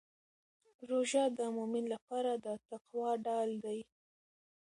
روژه د مؤمن لپاره د تقوا ډال دی.